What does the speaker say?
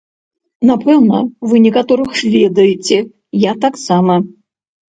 Напэўна, вы некаторых ведаеце, я таксама.